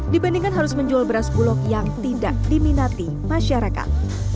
dibandingkan harus menjual beras bulog yang tidak diminati masyarakat